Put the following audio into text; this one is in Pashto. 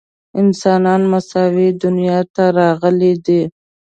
انسانان مساوي دنیا ته راغلي دي.